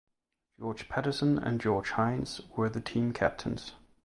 George Patterson and George Hynes were the team captains.